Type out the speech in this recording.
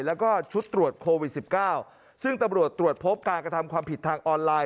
แล้วก็ชุดตรวจโควิดสิบเก้าซึ่งตำรวจตรวจพบการกระทำความผิดทางออนไลน